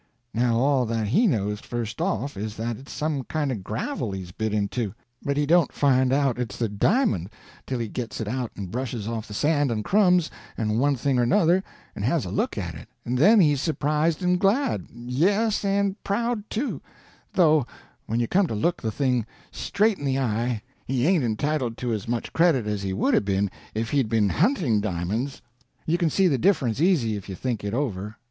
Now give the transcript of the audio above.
Now all that he knows first off is that it's some kind of gravel he's bit into; but he don't find out it's a di'mond till he gits it out and brushes off the sand and crumbs and one thing or another, and has a look at it, and then he's surprised and glad—yes, and proud too; though when you come to look the thing straight in the eye, he ain't entitled to as much credit as he would 'a' been if he'd been hunting di'monds. You can see the difference easy if you think it over.